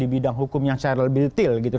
di bidang hukum yang seral biltil gitu